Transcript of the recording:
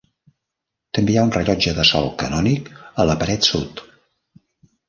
També hi ha un rellotge de sol canònic a la paret sud.